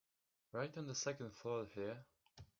Right on the second floor there.